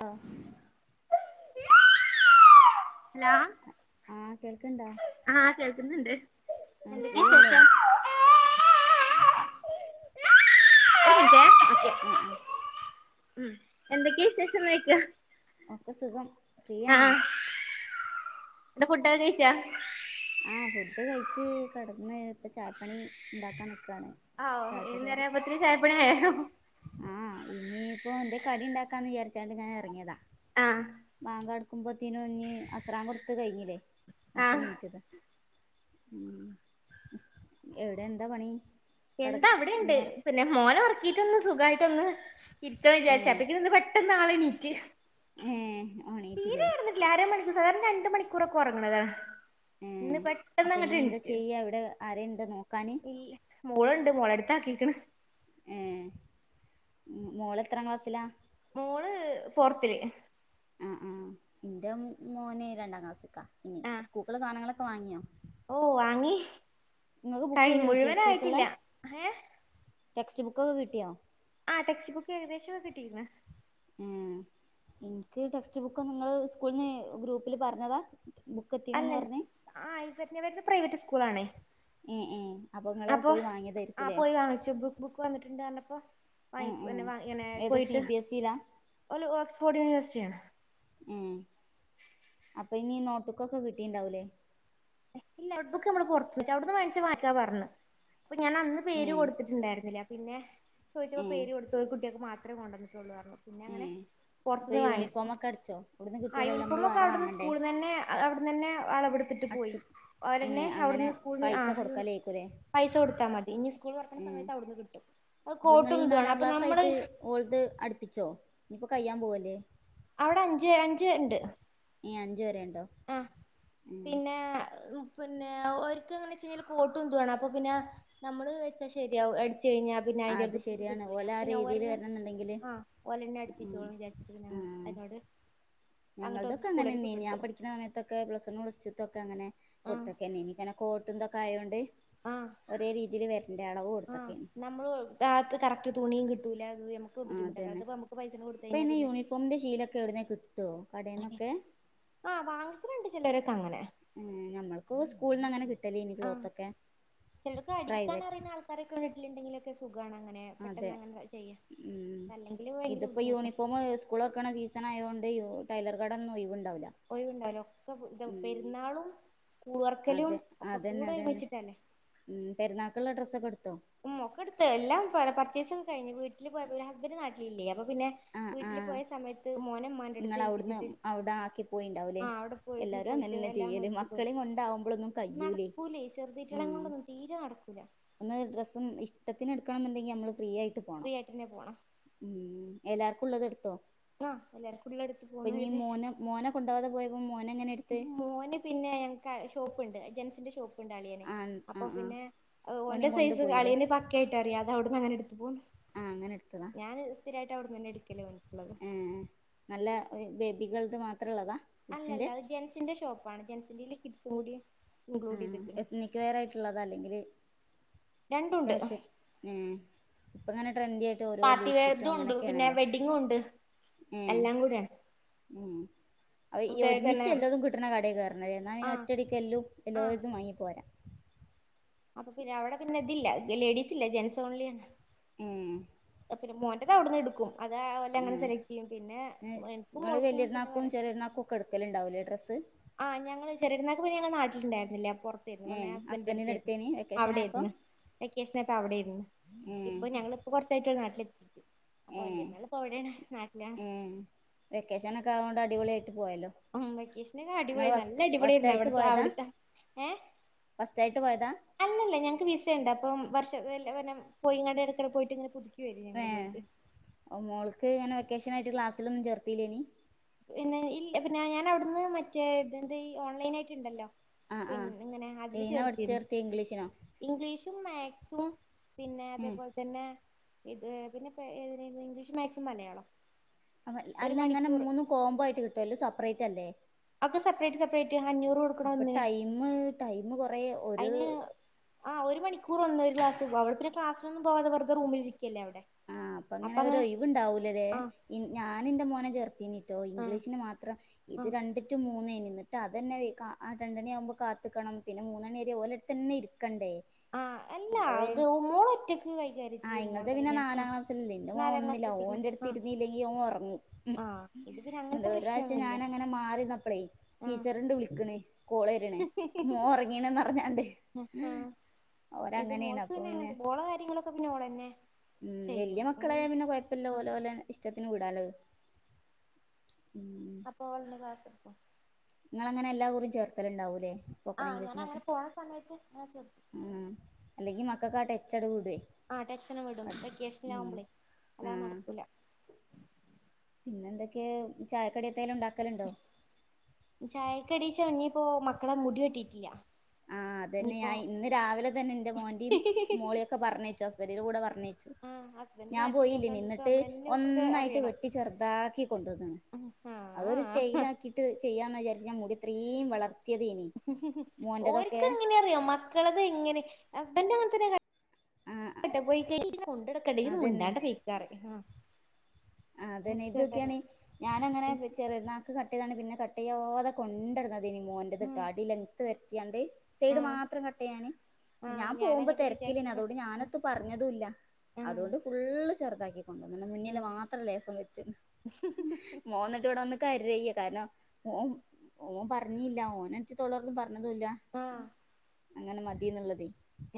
അ [unintelligible] ലാ ആഹ് ആ കേൾക്ന്ണ്ട് ആ ഫ്രീ അല്ലെ? വിശേഷം ഒരിന്റ്റെ ആ ആ മം എന്തൊക്കെ ശേഷം ന്നോയിക്ക ഒക്കെ സുഖം ഫ്രീയാണോ ന്റെ ഫുട്ടക്കെ കഴിച്ചാ ആ ഫുഡ് കഴിച്ച് കിടന്ന് ഇപ്പ ചായപ്പണി ഉണ്ടാക്കാൻനി ആഉ ഈ നേരപ്പോത്തിന് ചാ [unintelligible] ആ ഇനിയിപ്പോ എന്തെ കടി ണ്ടാക്കാന്ന് വിചാരിച്ചണ്ട് ഇങ്ങനെ ഇറങ്ങിയതാ ആഹ് [unintelligible] അ ല്ല അപ്പഴ ആഹ് എണീ റ്റത് അ വിടെ എന്താ പണി കെട എന്താ അവിടെയു ണ്ട് ഒന്നൊറ പിന്നെ മോന ഉറക്ക ഉറക്ക്കി ട്ടൊന്നു സുഖമായിട്ടൊന്ന് ഇരിക്കാന് വിചാരിച്ച താ അപ്പഴേക്കും പെട്ടന്ന് ആളെ നീറ്റ് [inaudible] എ ണീടറ്റല്ലേ അരമണിക്കൂർ സാധാരണ രണ്ടു മണിക്കൂറൊക്കെ ഉറങ്ങണതാണ് ഏ അപ്പൊ ഇനി എന്താ ചെയ്യ ഇവിടെ ആരുണ്ട് നോക്കാന് ഇല്ല മോളുണ്ട് മോടടുത്തു ആക്കിയെക്ക ണ് ഏ മോൾ എത്രാം ക്ലാസ്സിലാ മോള് ഫോർത്തില് ആ ആ എന്റെ മോന് രണ്ടാം ക്ലാസ്സി ലേ ക്കാണ് ആ സ്കൂളിലേക്ക് സാധനങ്ങൾ ഒ ക്കെ ബുക്ക്‌ വാങ്ങിയോ ഓ വാ ങ്ങി നിങ്ങൾക്ക് കഴിഞ്ഞു ബുക്കൊക്കെ കിട്ടിയോ സ്കൂൾക്കുള്ള മുഴുവനായിട്ടില്ല ഹ ടെക്സ്റ്റ് ബുക്കൊക്കെ കിട്ടിയോ ആഹ ടെക്സ്റ്റ് ബുക്ക് ഏകദേശം കിട്ടികർണു ആ എനിക്ക് ടെക്സ്റ്റ് ബുക്കിന്റെ നിങ്ങള് സ്കൂളിന്ന് ഗ്രൂപ്പില് പറഞ്ഞതാ ബുക്ക് അല്ല എത്തീണ്ന്ന് പറഞ്ഞ് ഇവരു പ്രൈവറ്റ് സ്കൂളിന്ന സ്കൂളാണ് ഏഹ് ഏഹ് ഇങ്ങള് അപ്പൊ പോയി ആ വാങ്ങിയതായിരിക്കുംല്ലേ പോയി വാങ്ങിച്ചു ബുക്ക് വന്നിട്ടുണ്ട് ഞാനിപ്പോ ഉം ഉം വാങ്ങി ഏത് സി പോയിട്ട് ബി എസ് ഇയിലാ ഒരു ഓക്സ്ഫോർഡ് യൂണിവേഴ് സിറ്റ ച്ചാണ് [inaudible] ഉം അപ്പൊ ഇനി നോട്ടുക്ക്‌ ഒക്കെ കിട്ടിട്ടു ണ്ടാവൂലേ ഇല്ല അവിടെ ബുക്ക് നമ്മള് പുറത്തു അവിടു ന്ന് വങ്ങിച്ച മതീന്ന് പറഞ്ഞു അപ്പൊ ഞാൻ അന്ന് പേര് ഏഹ് കൊടുത്തിട്ടുണ്ടായിരുന്നില്ല പിന്നെ ചോദിച്ചപ്പോ ഏഹ് പേരു കൊടുത്തവർക് ഒ ക്കെ മാത്രം ഇത്രയും കൊണ്ട് വന്നിട്ടുണ്ടാവു പിന്നെ അങ്ങനെ ഏഹ് പുറത്തു ഇപ്പൊ ന്ന് വാങ്ങിച്ചു യൂണിഫോമൊക്കെ അടിച്ചോ ഇവിടുന്ന് ആ കിട്ടൂലല്ലോ നമ്മള് യൂണിഫോമൊക്കെ വേറെ അവിടുന്ന് വാങ്ങണ്ടേ സ്കൂളി ന്ന് തന്നെയാ അന്നെ അളവെടുത്തിട്ട് പോയി അടിച്ച് ഓരെന്നേ ഏഹ് അങ്ങനെ അവ്ട്ന്ന് സ്കൂൾന്ന് ആ പൈസ യൂണി കൊടുക്കലേക്കൂലേ പൈസ കൊടുത്താ മതി ഇനി സ്കൂൾ ഏഹ് തൊറക്ക്ണസമയത്ത് അവിട്ന്ന് കിട്ടും. അത് അപ്പൊ നിങ്ങള് കോട്ടും ഈ ഇംതുവാണ് നാലാം അപ്പൊ ക്ലാസ് നമ്മള് ആയിട്ട് ഓൾത് അടുപ്പിച്ചോ ഇനിയിപ്പോ കയ്യാൻ പോവല്ലേ അവടെ അഞ്ച് അഞ്ച് ഇണ്ട് ഏഹ് അഞ്ച് വരെയുണ്ടോ ആഹ... ഏഹ് പിന്നെ... ഉം- പിന്നെ ഓർക്ക് അങ്ങനെ ചിയ്യാൻ കോട്ട് എന്തുവേണം അപ്പൊ പിന്നെ നമ്മള് എടുത്ത ശരിയാവും എ-.... കഴിഞ്ഞാ പിന്നെ അതിന്റെ അത് വൃത്തിക്ക് ശരിയാണ് കിട്ടൂല. ഓല ആ അപ്പൊ ഞാൻ രീതിയില് ഓരന്നെ... വരണന്നുണ്ടെങ്കില് ആ ഓലെന്നെ അടുപ്പിച്ചോളും വിചാച്ചിട്ട്പിന്നെ അങ്ങനെ... [unintelligible] അങ്ങോട്ട് ഞങ്ങൾതൊക്കെ അങ്ങനെ സ്കൂളിലേക്ക് നീ വിട്ട് ഞാൻ കൊടുത്തു പഠിക്കുന്ന അമയത്തൊക്കെ പ്ലസ് വണ്ണും പ്ലസ്റ്റൂ തൊക്കെ അങ്ങനെ ആ കൊടുത്തേക്കെന്നേനി കോട്ട്ന്ത കായോണ്ട് ആ ഒരേ രീതില് വെര് ആ നമ്മള് കാറ്റ് കറക്ട് തുണിയും കി ടൂലാ ആ അതേന്നെ കഴിഞ്ഞാ ഇപ്പൊന്നെ പിന്നെ യൂണിഫോമിന്റെ ശീലൊക്കെ എവിടുന്ന കിട്ടോ ആ വാങ്ങ്ക്കലുണ്ട് ചെലരൊക്കെ അങ്ങനെ കൂൾന്നങ്ങനെ കി ടെലീന് ക്ലോത്തൊക്കെ പ്രൈവറ്റ് അടിക്കാനറിയുന്ന ആൾക്കാരൊക്കെ വീട്ടില് എന്തെങ്കിലൊക്ക സു അതെ ഊ അല്ലെങ്കില് ഭയങ്കര ഇതിപ്പോ ബുദ്ധിമുട്ടാ യൂണിഫോമ് സ്കൂളൊറക്കണ സീ തണായോണ്ട് യൂ ടൈലർ കടോന്നും ഒയിവു ഒഴുവുണ്ടാവലോ [unintelligible] പെരുന്നാളും സ്കൂൾ തുറക്കലും അതെ ഒക്കെ അതേന്നെ കൂടെ അതേന്നെ ഒരുമിച്ചിട്ടല്ലേ ഉം പെരുന്നാക്കുള്ള ഡ്രസ്സൊക്കെ എട് ഉം മോക്കെട്ത്ത് എല്ലാം പറ പർച്ചേസെ കഴിഞ്ഞ് വീട്ടില് പോയപ്പ ഹസ്ബൻഡ് നാട്ടിലില്ലേ അപ്പൊ പിന്നെ വീട്ടില് പോയ സമയത്ത് മോന് ഇങ്ങളവിടുന്ന് അവിടെ ആക്കി പോയിണ്ടാവൂലേ ആ അവിടെ പോയിരുന്നു എല്ലാരും പോയിട്ട് അതെന്നെ എല്ലാം ചെയ്യല് മേടിച്ചു പോയി മക്കളേം കൊണ്ട് ആവുമ്പോളൊന്നും കയ്യൂലേ നടക്കൂലേ ചെറുതീറ്റകളെ ഉം കൊണ്ടൊന്നും തീരെ നടക്കൂല [unintelligible] ഡ്രസും ഇഷ്ടത്തിന് എടുക്കണന്ന്ണ്ടെങ്കിൽ അമ്മള് ഫ്രീയായിട്ട് പോണം ഫ്രീ ആയിട്ടന്നെ പോണം എല്ലാർക്കുള്ളത് എടുത്തോ ആ എല്ലാർക്കും ഉള്ളടുത്ത് പോന്ന പിന്നീ ഏകദേശം മോനെ മോനെ കൊണ്ടാവാതെ പോയപ്പോ മോൻ മോന് പിന്നെ ഞങ്ങക്ക് ഷോപ്പ് ഇണ്ട് ഇന്റെ ഷോ പ്പൊണ്ട് അളിയന് ആ ആ അപ്പൊ ആ പിന്നെ ഓന്റെ ഓനേം കൊണ്ടു സൈസ് പോയില്ലേ അളിയന് പക്ക ആയിട്ട് അറിയാ അവിട്ന്നങ്ങനെ എടുത്ത് പോം ആ അങ്ങനെ എടുത്തതാ ഞാന് സ്ഥിരായിട്ട് അവ്ട്ന്നന്നെ ഇട്ക്കല് ഓൻക്ക്ള്ളത്. ബേബികളത് മാ അല്ലല്ല അത് ജെൻസിന്റെ ഷോ പ്പാണ്. ജെൻസിൻ്റെയ്ല് കിഡ്‌സും കൂടി ഇൻക്ലൂഡ് ഏഹ് ചെയ്ത്ക്ക്ണ് എത്നിക്ക് വെയറായിട്ട്ള്ളതാ അല്ലെങ്കില് രണ്ടും ഉണ്ട് കാഷ് നേ ഇപ്പങ്ങനെട് ട്രെൻഡി ആയിട്ട് ഓരോ പാർട്ടി ലൂസ് ഫിറ്റും വെയർതും ഉണ്ട് പിന്നെ അങ്ങനൊക്കേണല്ലോ വെഡ്ഡിങ്ങും ഉണ്ട് ഏഹ് എല്ലാം കൂടെയാണ് ഏഹ് അത് ഈ തന്നെ ഒരുമിച്ച് എല്ലതും കിട്ട്ണ കടേ കേറണലേ ഇന്നാ പിന്നെ ആഹ് ഒറ്റടിക്ക് എല്ലും ആഹ് എല്ലോരതും വാങ്ങിപ്പോരാ. അപ്പൊ പിന്നെ അവിടെ പിന്നെ ഇതില്ല ലേഡീസ് ഇല്ല ജെന്റ്സ് ഓൺലിയാണ്. ഉം മോൻ്റെ അവിടെന്ന്ടുക്കും അത വല്ല അങ്ങനെ ഉം സെലക്ട് ചെയ്യും പിന്നെ എനക്കും നിങ്ങള് മോൾക്കും പിന്നെ വലിയരുന്നാക്കും പറ ചെറിയരുന്നാക്കും ഒക്കെ എടുക്കലുണ്ടാവൂലേ ഡ്രസ്സ് ആഹ് ഞങ്ങള് ചെറിയന്നാക്ക് പിന്നെ ഞങ്ങള് നാട്ടിലുണ്ടാരുന്നില്ല ഏ പുറത്താര്ന്ന് ഹസ്ബൻഡ് ഹസ്ബൻഡിന്റെ അടുത്താരുന്നു അടുത്തേന് വെക്കേഷൻ ആയപ്പോ അവിടെയിന്ന് വെക്കേഷനപ്പ അവിടെരുന്നു ഇപ്പൊ ഞങ്ങിപ്പോ കുറച്ചായിട്ട നാട്ടില ഏഹ് നാട്ടിലാണ് ഏഹ് വെക്കേഷനൊക്കെ ആവോണ്ട് അടിപൊളിയാ ഉം വെക്കേഷനൊക്കെ അടിപൊളിയായി നല്ല ഫസ്റ്റ് അടിപൊളിയേര്ന്നു ഫസ്റ്റായിട്ട് അവിടത്തെ അവ പോയതാ ട്ത്തെ ഏ ഫസ്റ്റായിട്ട് പോയതാ അല്ലല്ല ഞങ്ങക്ക് വിസയിണ്ട് അപ്പൊ വർഷ് [unintelligible] പോയി ഇങ്ങളടെ ഇടക്കടെ പോയിട്ട് ഇങ്ങനെ പുതുക്കും ഏ മോൾക്ക് ഇങ്ങനെ വെക്കേഷനായി എ ക്ലാസിലൊന്നും ചേർത്തില്ലേനി പിന്നെ ഇ പിന്നെ ഞാൻ അവിടുന്ന് മറ്റേ ഇതെന്ത്ഈ ഓൺലൈൻ ആയിട്ടുണ്ടല്ലോ ആ പി ആ ഇങ്ങനെ അതില് ഏയ്നാ പഠിച്ച് ചേർത്തിനു ചേർത്തിയെ ഇംഗ്ലീഷിനോ ഇംഗ്ലീഷും മാത് ഉം പിന്നെ ഉം അതേപോലെ തന്നെ ഇത് പിന്നെപേ ഇംഗ്ലീഷും മാക്സും മലയാളം ഒരു അല്ല ഇങ്ങനെ മണിക്കൂർ മൂന്ന് കോംബോ ആട്ട് കിട്ടുവല്ലോ സെപ്പറേറ്റ് അല്ലേ അപ്പൊ സെപ്പറേറ്റ് സെപ്പറേറ്റ് അഞ്ഞൂറ് കൊടുക്കണ അപ്പൊ എന്തിനാ ടൈം ടൈം കൊറേ ഒരു അതിന് ആഹ് ഒരു മണിക്കൂർ ഒന്ന് ഒരു ക്ലാസ് അവിടെ ഒരു ക്ലാസ് [unintelligible] പോവാതെ വെറുതെ റൂമിലിരിക്കല്ലേ അവിടെ ആഹ് അപ്പ അങ്ങനെ ഒരു ഒഴുവുണ്ടാവൂലല്ലേ ആ ഇ ഞാൻ എന്റെ മോനെ ചേർതീനി ട്ടോ ആ ഇംഗ്ലീഷിന് മാത്രം ആ ഇത് കണ്ടിട്ടും മൂന്നേനി എന്നിട്ട് അതന്നെ ആ രണ്ടണി ആവുമ്പോ കാത്ത് നിക്കണം പിന്നെ മൂന്ന് മണിവരെ ഓരടുത്ത് തന്നെ ഇരിക്കണ്ടേ ആഹ് അല്ല അത് മോള് ഒറ്റക്ക് കൈകാര്യം ചെയ്യും മോളതൊ [unintelligible] എന്റെ മോൻ ഒന്നില്ല ഓന്റെ അടുത്ത് ഇരുന്നല്ലെങ്കി ഓൻ ഒറങ്ങും ഉം ആ ഇത് പിന്നെ എന്താ അങ്ങനത്തെ ഒരാഴ്ച്ച പ്രശ്നൊന്നുല്ല ഞാൻ അങ്ങനെ മാറിനിന്നപ്പളേ ആ ടീച്ചറിണ്ട് വിളിക്കണ് കോള് വരണ് മോൻ ഉറങ്ങീണന്ന് പറഞ്ഞാണ്ട് ആ ഇത് ഓരങ്ങനെയാണ് മോൾക്ക് അപ്പൊ പിന്നെ അങ്ങനൊന്നുമില്ല മോളെ കാര്യങ്ങളൊക്കെ പിന്നെ ഓളന്നെ ഉം ചെയ്യും വലിയ അതുകൊണ്ട് മക്കളായ പിന്നെ കൊഴപ്പല്ല ആ ഓല ഓല ഇഷ്ടത്തിന് വിടാലോ അപ്പൊ [unintelligible] ഉം നിങ്ങൾ അങ്ങനെ എല്ലാകുറി ചേർത്തലുണ്ടാവൂലേ സ്പോക്കൺ ആഹ് ഞാൻ ഇംഗ്ലീഷിനൊക്കെ അങ്ങനെ പോണ സമയത്ത് ഉം അല്ലെങ്കി മ [unintelligible] [unintelligible] വിടും വെക്കേഷനാവുമ്പളേ അല്ലാതെ ആഹ് നടക്കൂല പിന്നെന്തൊക്കയ ചായക്കടി എന്തേലും ഉണ്ടാക്കലുണ്ടോ ചായക്കടി [unintelligible] മക്കളെ മുടി വെട്ടീട്ടില്ല ആഹ് അതന്നെ ഞാൻ ഇന്ന് രാവിലെ തന്നെ എന്റെ മോന്റിം മോളിയൊക്കെ പറഞ്ഞേച്ചു ഹസ്‌ പർണയിച്ചു ആഹ് ഹസ്ബൻഡ് ഞാൻ പോയില്ലേനി നാട്ടിലില്ലാത്തോണ്ട് ഇപ്പ നിന്നിട്ട് നമ്മളെന്നെ ഒക്കെ ഒന്നായിട്ട് അറിയണം വെട്ടി ചെറുതാക്കി കൊണ്ടുവന്നൺ അതൊരു സ്റ്റെൽ ആഹ് ആക്കിട്ട് ചെയ്യാന്ന് വിചാരിച്ച മു ഇത്രയും വളർ ത്തിയ്യതേനി മോന്റെതൊക്കെ ങ്ങനെറിയോ മക്കളത് എങ്ങനെ ഹസ്ബൻഡ് അങ്ങേതെന്നെ ആഹ് വെട്ട പൊയ്ക്കഴിഞ്ഞാൽ കൊണ്ടെടക്കേണ്ടെ ഇയ്യൊന്ന് മുണ്ടാണ്ട പൊയ്ക്ക പറയും ആ് അതന്നെ ഓര്ക്ക് അതന്നെ ഇതൊക്കിയാണ് ഞാൻ അങ്ങനെ ചെറിയര്ന്നാക്ക് കട്ട്‌ ചെയ്‌താണ്ട് പിന്നെ കട്ടയാതെ കൊണ്ടണ്ടട് നട് മോന്റെത്ട്ടോ അടി ലെങ്ത് വര ആഹ് സൈഡ് ആഹ് മാത്രം കട്ട് ചെയ്യാന് ആഹ് ഞാൻ പോകുമ്പോ ഞാനങ്ങനത്തെ തിരക്കിലിനി വിചാരിച്ചിക്ക്ണ് അതുകൊണ്ട് ഞാനൊത്ത് പറഞ്ഞതുല്ല ആഹ് അതുകൊണ്ട് ഫുള് ചെറുതാക്കി കൊണ്ടുവന്നൺ മുന്നില് ഉം മാത്രം ത്ര ലേസം വച്ച് മോൻന്നിട്ട് ഇവിടെ വന്ന് കരയാ കാരണം ഓ ഓ പറഞ്ഞില്ല ഓനറ്റത്തോളർന്നും പറ റഞ്ഞതുല്ല ആഹ് അങ്ങനെ മതീന്നുള്ളതെ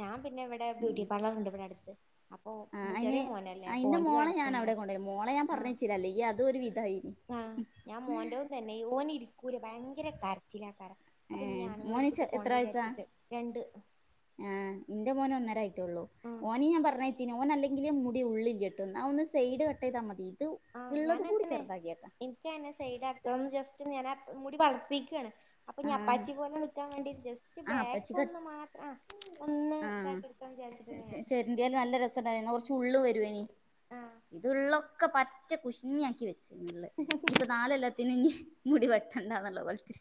ഞാൻ പിന്നെ ഇവിടെ ബ്യൂട്ടി പാർലർണ്ട് ഇവിടെ അടുത്ത് അപ്പൊ ആ ചെറിയ അയിന് മോനല്ലേ അപ്പൊ അയിന്റെ ഓന്റതും മോളെ അടുത്ത ഞാൻ തന്നെ അവിടെ കൊണ്ടോയി മോളെ ഞാൻ ആ പറഞ്ഞയച്ചില്ല അല്ലെങ്കി അതും ഒരു വിധായിനി ആ ഞാൻ മോന്റെതും തന്നെ ഓന് ഇരിക്കൂല ഭയ യങ്കര കരച്ചിലായ്ക്കാരം അപ്പഞ്ഞി ഏഹ് ആണ്ങ്ങളെ മോന് ചെ അടുത്ത്ക്ക് പോണ്ടെ വിചാരിച്ചിട്ട് രണ്ട് ആ ഇന്റെ മോന് ഒന്നരായി ടട്ടൊള്ളൂ ആഹ് ഓനിം ഞാൻ പറഞ്ഞയച്ചിനി ഓൻ നല്ല [unintelligible] മുടി ഉള്ളിലാട്ടോ എന്നാ ഒന്ന് സൈഡ് കട്ട്‌ ചെയ്താമതി ആ ഞാൻ അങ്ങനെ തന്നെ ഇൻക്ക് അങ്ങനെ സൈഡ് അടുത്തതൊന്നും ജസ് റ്റ് ഞാനാ മുടി വളർത്തേക്കണ് അപ്പൊ ഇഞ്ഞി ആഹ് അപ്പാച്ചി പോലെ നിക്കാൻ വേണ്ടി ജസ്റ്റ് ആഹ് ബാക്ക് അപ്പച്ചി കട്ട് ഒന്ന് മാത്ര ആഹ് ഒന്ന് ആഹ് ഇതാക്കി എടുക്കാന്ന് വിചാരിച്ചിട്ട് ചെ ഞാൻ ചെരണ്ടിയാൽ നല്ല രസണ്ടായ്നി ഇന്ന കൊർച്ച്‌ ഫുള്ള് വരോയ്നിം ആഹ് ഇത് ഇള്ളൊക്കെ പറ്റെ റ്റെ കുഷ്ണി ആക്കി [unintelligible] ഇനിയിപ്പ നാലെല്ലാത്തിനും ഇനി മുടി വെട്ടണ്ട ന്ന്ള്ള കോലത്തില്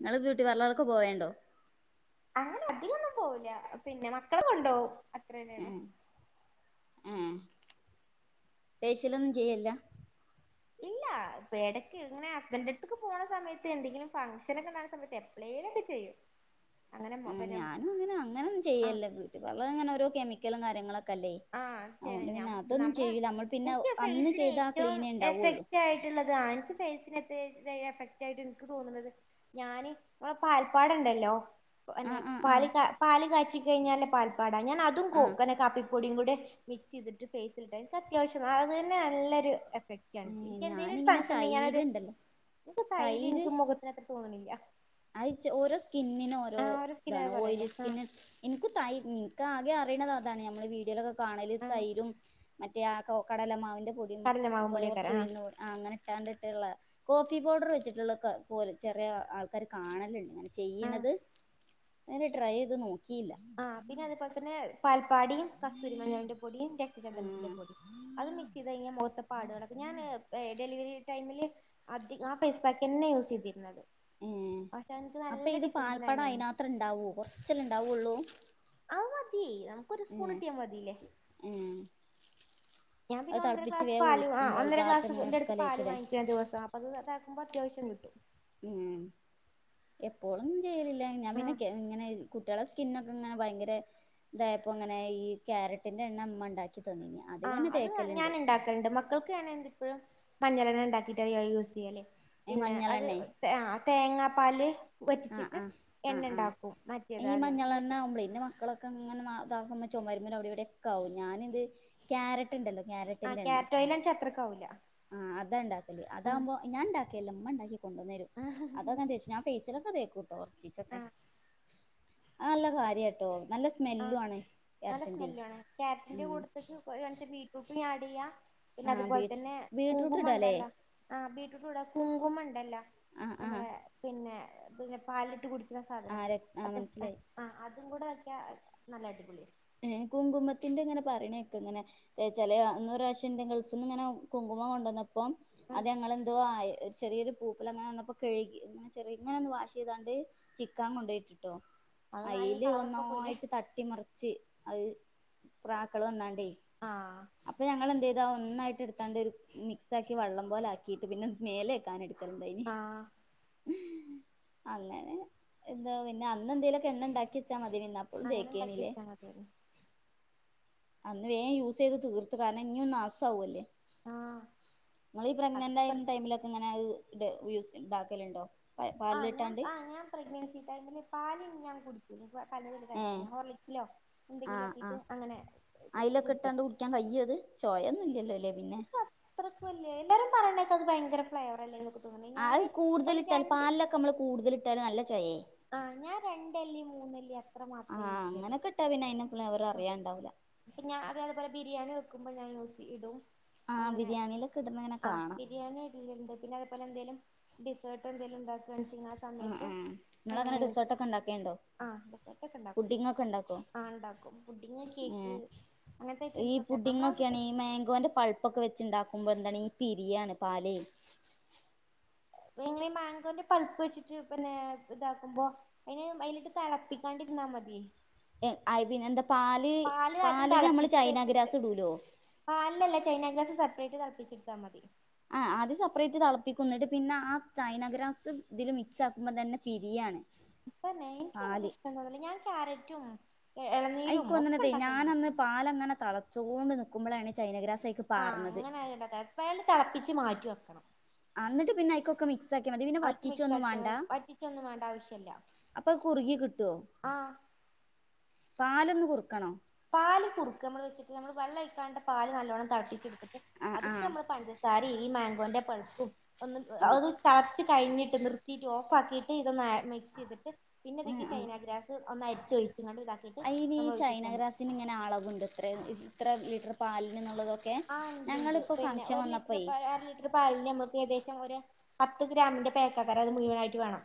നിങ്ങള് ബ്യൂട്ടി പാർലറൊക്കെ പോവേണ്ടോ? അങ്ങനെ അധികൊന്നും പോവില്ല പിന്നെ മക്കളെ കൊണ്ടോവും അത്രന്നെള്ളൂ ഉം ഉം ഫേഷ്യലൊന്നും ചെയ്യൂല്ല ഇല്ല ഇടക്ക് ഇങ്ങനെ ഹസ്ബൻഡ് അടുത്തക്ക് പോണ സമയത്ത് എന്തെങ്കിലും ഫങ്ങ്ഷനൊക്കെ സമയത്ത് എപ്പഴേലും ഒക്കെ ചെയ്യും അങ്ങനെ മൊ ആ പിന്നെ ഞാനും അങ്ങനെ അങ്ങനൊന്നും ആ ചെയ്യല്ല ബ്യൂട്ടി പാർലർ അങ്ങനെ ഓരോ [unintelligible] ആ അതുകൊണ്ട് പിന്നെ അതൊന്നും നമ്മ ചെയ്യൂല നമ്മൾ പിന്നെ എനിക്ക് അന്ന് ഫേസിന് ചെയ്ത ആ ഏറ്റവും ക്ലീനേ ഉണ്ടാവുള്ളൂ എഫക്റ്റ് ആയിട്ടുള്ളത എനിക്ക് ഫേഷ്യൽ എഫക്റ്റ് ആയിട്ട് എനിക്ക് തോന്നണുന്നത് ഞാന് ഇമ്മടെ പാൽപ്പാട്ണ്ടല്ലോ അന്നെ ആഹ് ആഹ് പാല് ആഹ് പാല് കാച്ചി കഴിഞ്ഞാല് പടാ ഞൻ അതും കോക്കനെ കാപ്പി കൂടെ മിക്സ് ചെയ്തിട്ട് ഫേസിൽ അത്യാവശ്യം അത് തന്നെ നല്ലൊരു വക്ക ആഹ് എനിക്ക് എന്തേലോരു ഞാനിങ്ങനെ ഫൺക്ഷൻ ഉണ്ട ഞാനത് തൈരുണ്ടല്ലോ ഇക്ക് തൈരി നിക്ക് മൊഖതത്ര തോന്ന്ന്നില്യാ ആയിജ് ഓരോ സ്കിന്നിനും ഓരോ ഒരു സ്കിന്നത് ഇതാണ് പോലെല്ലേ ഓയ്ലി ആഹ് സ്കിന്ന് എൻക്കു തൈ നിക്ക് ആകെ ആ റൈണത് അതാണ് ഞമ്മള് വീഡീയോലൊക്കെ കാണല് ആഹ് തൈരും മറ്റേ ആ കൊ കടലമാവിന്റെ കടലമാവും പൊടിയേക്കാരം ആഹ് [unintelligible] ആ അങ്ങനെ [unintelligible] കോഫി പൗഡർ വെച്ചിട്ടുള്ള ക പോലെ ചെറിയ അ ആൾ ക്കാര് കാണലിണ്ട് ഞാൻ ആഹ് ചെയ്യണത് ഞാന് ട്രൈ ചെയ്ത് നോക് ആ പിന്നെ അത് പോലെ തന്നെ പല് പാടിയും കസ്തൂരി മഞ്ഞളിന്റെ പൊടിയും രക്തചന്ദനത്തിന്റെ ആഹ് പൊടിയും അത് മിക്സ് ചെയ്ത് കഴിഞ്ഞാൽ മൊഖത്തെ പാടുകളൊക്കെ ഞാന് ഏ ഡെലിവറി ടൈമില് അധി ആ ഫേസ്പാക്ക് തന്നെയാ യൂസ് ചെയ്തിരുന്നത്. ഏ പക്ഷെ എനിക്ക് അപ്പ നല്ല ഇത് ഡിഫറൻസ് പാൽപ്പട ഉണ്ടായിരുന്നു അയിനാത്തില് ഇണ്ടാവോ കൊറച്ചല്ലാ ഇണ്ടാവുള്ളൂ. അത് മതി നമുക്ക് ഒരു സ്പൂൺ കിട്ടിയ മതില്ലേ ഏഹ് ഞാൻ പിന്നെ അത് ഒന്നര തിളപ്പിച്ച് ഗ്ലാസ് വേഗം പാല് ആ ഊ മോൾ ഒന്നര ഭാഗത്ത് ഇങ്ങനെ ഗ്ലാസ്ന്റെ അടുത്ത് പാല് എടുക്കലേക്കൂലേ വാങ്ങിക്ക ദിവസം അപ്പ അത് [unintelligible] [unintelligible] അത്യാവശ്യം കിട്ടും. മ് എപ്പോളും ചെയ്യലില്ല ഞാൻ ആഹ് പിന്നെ കെ ഇങ്ങനെ കുട്ടികളെ സ് സ്കിൻ ഒക്കെങ്ങനെ ഭയങ്കര ഇതായപ്പോ ഇങ്ങനെ ഈ ക്യാരറ്റിന്റെ എണ്ണ മ്മ ഇണ്ടാ ആ അത് ഞാൻ ഇണ്ടാക്കൽണ്ട് മക്കൾക്ക് ഞാൻ അത് ഇപ്പഴും മഞ്ഞളെണ്ണ ഇണ്ടാക്കിട്ട ഞാൻ യൂസ് ചെയ്യല് ഏ പിന്നെ അത് മഞ്ഞളെണ്ണേ ആ തേങ്ങാ പാല് ആ ആ ആ ആ മറ്റേത് ഈ ആദ്യം മഞ്ഞളെണ്ണ ഇങ്ങട്ട് ആവുമ്പോളേ ൻ്റെ മക്കളൊക്കെ ഇങ്ങനെ നാ താകുമ്പോ ചുമര്മ്മല് അവിടെ ഇവിടെ ഒക്കാവും ഞാനിത് ക്യാരറ്റ് ഇണ്ടല്ലോ ആ ക്യാരറ്റ്ഓയിലാച്ച അത്രക് ആവൂല ആ അതാ ഉഇണ്ടാക്കല് അതാകുമ്പോ ഞാൻ ഇണ്ടാ ക്കേല്ല മ്മണ്ടാക്കി കൊണ്ടോന്നരും അതാ ഞാൻ തേചാ ഞാൻ ഫേസിലൊക്കെതേക്കുട്ടോ കൊറച്ചീച്ചൊക്കെ ആഹ് ആ അല്ല കാര്യാട്ടോ നല്ല ആ സ്മെല്ലു ആണ് നല്ല ക്യാരറ്റിന്റെ സ്മെല്ലു ആണ് ക്യാരറ്റിന്റെ ഉം കൂടത്ത്ക്ക് വേണേച്ച ബീറ്റ്റൂട്ടും ആഡെയ്യാ ആ ബീറ്റ്റൂട്ട് ഇടാല്ലേ ആ ബീറ്റ്റൂട്ട് ഇടാം കുങ്കുമണ്ടല്ലോ ആഹ് ആഹ് നമ്മളെ പിന്നെ പിന്നെ പാലിലിട്ട് കുടി സാധനം ആഹ് ആഹ് അത് മനസ്സിലായി ആ കൂടെ വെക്ക നല്ല അടിപൊളി. ഏ കുങ്കുമത്തിന്റെ ഇങ്ങനെ പറയണക്കെ ഇങ്ങനെ ചില അന്ന പ്രാവശ്യംന്റെ ഗൾഫിൽ നിന്ന് ഇങ്ങനെ കുങ്കുമം കൊണ്ടുവന്ന അപ്പം ഉം അത് ഞങ്ങളെന്തോ ആയി ചെറിയൊരു പൂപ്പില അങ്ങനെ വന്നപ്പോ കഴികി ചെറങ്ങന്ന് വാഷെയ്താണ്ട് ചിക്കാ കൊണ്ടഴി ട്ടോ അത് അയിന് അയിൽ കളറൊക്കെ പോയില്ലേ ഓന്നായിട്ട് തട്ടിമറിച്ച് അഹ് പ്രാക്കള് വന്നാണ്ട്. ആഹ് അപ്പോ ഞങ്ങളെ എന്തെയ് ഇതാ ഒന്നായിട്ട് എടുത്താണ്ട് ഒരു മിക്സ് ആക്കി വള്ളം പോലെ ആക്കിയിട്ട് പിന്നെ മേലെക്കാൻ എടുക്ക തന്തനി. ആഹ് അങ്ങനെ എന്താ പിന്നെ അന്ന് എന്തേലുമൊക്കെ എണ്ണ ഉണ്ടാക്കി വെച്ചാൽ മതി. അതി നിന്നപ്പോളും അങ്ങനെ തേക്കേനില്ലേ. ഉണ്ടാക്കിവെച്ചാ മതിയായിരുന്നു അന്ന് വേഗം യൂസ് ചെയ്ത് തീർത്ത് കാരണം ഇഞ്ഞൊന്നു നാസവുല്ലേ. ആഹ് നിങ്ങളീ പ്രഗ്നന്റ് അതൊക്കെ ആയി പറിച്ച് ടൈമിലൊക്കെ ഇങ്ങനെത് വ്യൂസ്ഇണ്ടാക്കലുണ്ടോ ആ ഞാൻ ആ ഞാൻ പ്രഗ്നൻസിടൈമിൽ പാല് ഞാൻ കുടി ഇല്ല [unintelligible] ഏ കഴിച്ചിട്ടില്ല ഹോർലിക്സിലോ എന്തെങ്കിലും ആഹ് ഒക്കെ ഇട്ട് ആഹ് അങ്ങനെ കുടിക്കും ചൊയൊന്നും ഇല്ലല്ലോ അല്ലേ പിന്നെ അത്രക്കൊന്നുല്ല എല്ലാരും പറഞ്ഞണേക്ക അത് ഭയങ്ക ഫ്ലേവർ അ ആ കൂടുതൽ ഇട്ടാല് പാലൊക്കെ നമ്മള് കൂടുതലിട്ടാല് നല്ല ചൊവ ആ ഞാൻ രണ്ടല്ലി മൂന്നല്ലി അത്ര മാത്രേ ആഹ് യൂസ് ചെയ്യുള്ളു അങ്ങനൊക്കെ ഇട്ടാ പിന്നെ അതിന്റെ ഫ്ലേവർ അറിയാണ്ടാവൂല ആ അതെ പോലെ ബിരിയാണി വെക്കുമ്പോ ഞാൻ യൂസി ഇടും ആഹ് അങ്ങനെ ബിരിയാണിയിലൊക്കെ ഇടുന്ന ഇങ്ങനെ ആ കാണാം ബിരിയാണി ഇടലുണ്ട് പിന്നെ അതേപോലെ എന്തേലും ഡിസേർട്ട് എന്തെങ്കിലും ഉണ്ടാ കഴിച്ചിഞ ആഹ് സമയത്ത് ആഹ് നിങ്ങളങ്ങനെ അങ്ങനെ ഡിസേർട്ടൊക്കെ ഉണ്ടാക്കലുണ്ടൊ ആഹ് ഡെസേർട്ട് ഒക്കെ ഉണ്ടാക്കും പുഡ്ഡിംഗ്ഒക്കെ ഇണ്ടാക്കോ ആഹ് ഉണ്ടാക്കും പുഡിങ് ഹേ കേക്ക് അങ്ങനത്തെ ഈ ഐറ്റംസ് ഒക്കെ നമ്മളെ ആവശ്യത്തിന് പുഡ്ഡിംഗ്ക്കേണങ്കിൽ മേഗോന്റെ പൾപ്പൊക്കെ വെച്ചി ഉണ്ടാക്കുമ്പോൾ എന്താണ് ഈ പിരിയാണ് പാലെ നിങ്ങള് മാങ്കോന്റെ പൾപ്പ് വെച്ചിട്ട് പിന്നെ ഇതാക്കുമ്പോ അതിന് അതിലിട്ട് തിളപ്പിക്കാണ്ടിരുന്നാ മതി ആയി പിന്നെ എന്താ പാല് പാല് ആദ്യം പാലില് നമ്മള് തിളപ്പിച്ച് വെച്ചിട്ട് ചൈനഗ്രാസ് ഇടൂലോ പാലിലല്ല ചൈന ഗ്രാസ് സെപ്പറേറ്റ് തെളപ്പിച്ചെടുത്താ മതി ആ ആദ്യ സെപ്പറേറ്റ് തെളപ്പിക്കും ന്നിട്ട് പിന്നെ ആ ചൈനാഗ്രാസ് ഇതില് മിക്സ് ആക്കുമ്പോ തന്നെ പിരിയാണ്. ഇപ്പം [unintelligible] അങ്ങനെ പ്രശ്നൊന്നുല്ല ഞാൻ ക്യാരറ്റും അത് ഇളനീരും ഇൻക്ക് ഒക്കെ തോന്ന്ണതെയ് ഉണ്ടാക്കലുണ്ട് ഞാനന്ന് പാലങ്ങനെ തളച്ചോന്ന്ണ് [unintelligible] ചൈന ഗ്രാ ആഹ് അങ്ങനെ ആയല്ലോ പാല് തെളപ്പിച്ച് മാറ്റി വെക്കണം. ആ ന്നിട്ട് പിന്നെ അയിക്കൊക്കെ മിക്സ് ആക്കിയ മതി പിന്നെ ആയിട്ട് മിക്സ് വറ്റിച്ചൊന്നും ആക്കിയാൽ വാണ്ട മതി വറ്റിച്ചൊന്നും വേണ്ട ആവശ്യല്ല അപ്പൊ അത് കുറുകി കിട്ടോ? ആഹ് പാലൊന്ന് കുറുക്കണോ? പാല് കുറുക്കാ നമ്മള് വെച്ചിട്ട് നമ്മള് വെള്ളൊഴിക്കാണ്ടെ പാല് നല്ലവണ്ണം തെളപ്പിച്ചടു ആഹ് അത്ക്ക് ആഹ് നമ്മള് പഞ്ചസാരയും ഈ മാങ്കോന്റെ പൾപ്പും ഒന്ന് ആഹ് ഒന്ന് തളച്ച് കഴിഞ്ഞിട്ട് നിർ ത്തീട്ട് ഓഫ് ആക്കിയിട്ട് ഇതൊന്ന് ആ മിക്സ് ചെയ്തിട്ട് പിന്നെ ഇതിക്ക് ആഹ് ആഹ് ചൈന ഗ്രാസ് ഒന്ന് അരിച്ച് ഒഴിച്ച്ങ്ങണ്ട് ഇതാക്കിയിട്ട് നമ്മള് ഒഴിച്ച് വെച്ചാ മതി ന് ഇങ്ങനെ അളവുണ്ടോ ഇത്ര ഇത്ര ലിറ്റർ പാലിനെന്നുള്ളതൊ ആ ഇണ്ട് ഇണ്ട് പിന്നെ ഒരു ലിറ്റർ അര ലിറ്റർ പാലിന് നമ്മക്ക് ഏകദേശം ഒര- പത്ത് ഗ്രാമിന്റെ പേക്കക്കാരം അത് മുഴുവനായിട്ട് വേണം